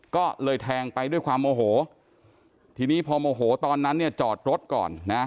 ก็เลยแทงไปด้วยความโมโหทีนี้พอโมโหตอนนั้นเนี่ยจอดรถก่อนนะ